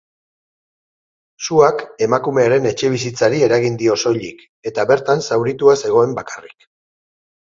Suak emakumearen etxebizitzari eragin dio soilik, eta bertan zauritua zegoen bakarrik.